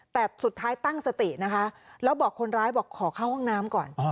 แต่สุดท้ายตั้งสตินะคะแล้วบอกคนร้ายบอกขอเข้าห้องน้ำก่อน